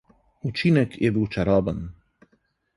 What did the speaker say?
Učinek je bil čaroben.